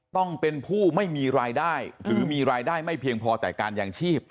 ต้องเป็นผู้ไม่มีรายได้หรือมีรายได้ไม่เพียงพอแต่การยางชีพ